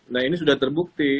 nah ini sudah terbukti